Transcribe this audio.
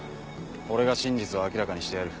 俺が真実を明らかにしてやる。